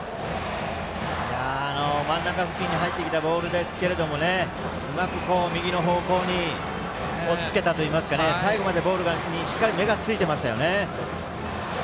真ん中付近に入ってきたボールですがうまく右の方向におっつけたといいますか最後までボールにしっかり目がついていましたね。